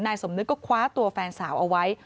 สมนึกก็คว้าตัวแฟนสาวเอาไว้